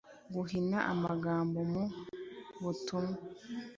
guhina amagambo mu butumwa